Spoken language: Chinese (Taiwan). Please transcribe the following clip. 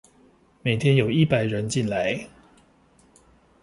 每天有一百人進來